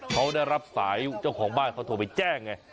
เขาได้รับสายเจ้าของบ้านเขาโทรไปแจ้งไง